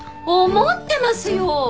思ってますよ！